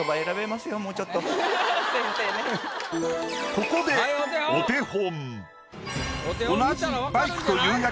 ここでお手本。